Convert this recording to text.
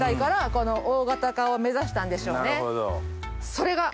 それが！